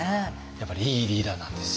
やっぱりいいリーダーなんですよ。